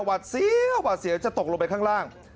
วัดเสียวหวัดเสียวจะตกลงไปข้างล่าง